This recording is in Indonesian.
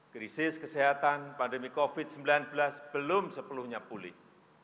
krisis kesehatan pandemi covid sembilan belas belum sepenuhnya pulih